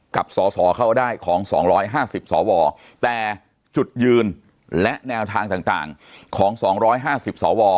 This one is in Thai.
กับสสเข้าได้ของ๒๕๐สวแต่จุดยืนและแนวทางต่างของ๒๕๐สว